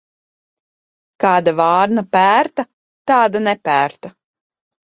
Kāda vārna pērta, tāda nepērta.